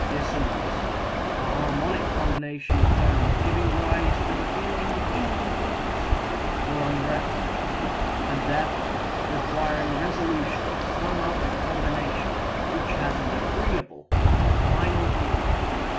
Dissonance a harmonic combination of tones giving rise to the feeling of incompleteness or unrest, and therefore requiring resolution to some other combination which has an agreeable or final feeling.